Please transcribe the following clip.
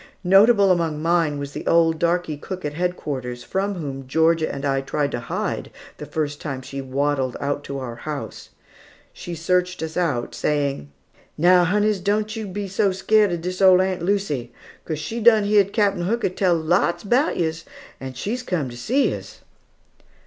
Notable among mine was the old darkey cook at headquarters, from whom Georgia and I tried to hide, the first time she waddled out to our house. She searched us out, saying: "Now, honeys, don't yo be so scared of dis ole Aunt Lucy, 'cos she's done heared Captain Hooker tell lots 'bout yos, and has come to see yos."